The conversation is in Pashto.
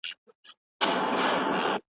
لوستل د باور سبب کېږي.